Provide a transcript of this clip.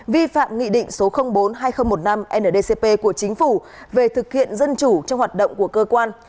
vi phạm nghị định số bốn hai nghìn một mươi năm ndcp của chính phủ về thực hiện dân chủ trong hoạt động của cơ quan